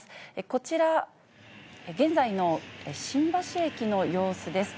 こちら、現在の新橋駅の様子です。